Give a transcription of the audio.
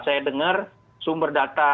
saya dengar sumber data